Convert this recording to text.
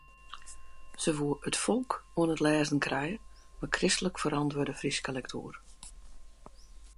Se woe ‘it folk’ oan it lêzen krije mei kristlik ferantwurde Fryske lektuer.